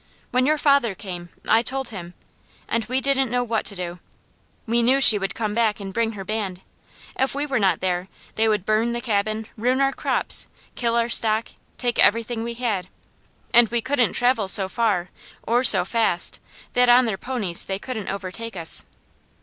When your father came, I told him, and we didn't know what to do. We knew she would come back and bring her band. If we were not there, they would burn the cabin, ruin our crops, kill our stock, take everything we had, and we couldn't travel so far, or so fast, that on their ponies they couldn't overtake us.